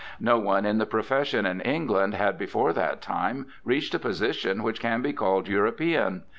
No one in the profession in England had before that time reached a position which can be called European.